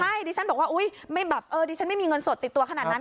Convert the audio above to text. ใช่ดิฉันบอกว่าดิฉันไม่มีเงินสดติดตัวขนาดนั้น